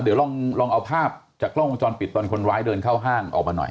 เดี๋ยวลองเอาภาพจากกล้องวงจรปิดตอนคนร้ายเดินเข้าห้างออกมาหน่อย